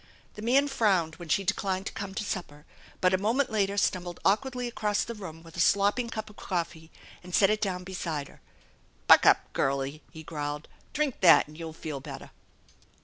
The man frowned when she decUned to come to supper, but a moment later stumbled awkwardly across the room with a slopping cup of coffee and set it down beside her. " Buck up, girlie !" he growled. " Drink that and you'll feel better."